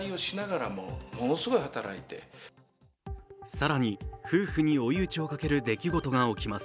更に、夫婦に追い打ちをかける出来事が起きます。